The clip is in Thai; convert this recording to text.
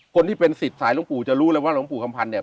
คนที่เป็นสิทธิ์สายหลวงปู่จะรู้เลยว่าหลวงปู่คำพันธ์เนี่ย